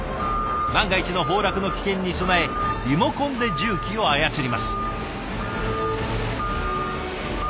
万が一の崩落の危険に備えリモコンで重機を操ります。